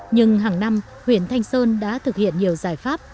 nhưng hàng năm huyện thanh sơn đã thực hiện nhiều giải pháp